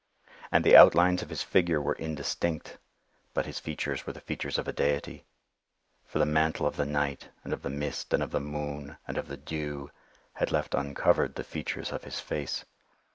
And the outlines of his figure were indistinct—but his features were the features of a deity; for the mantle of the night, and of the mist, and of the moon, and of the dew, had left uncovered the features of his face.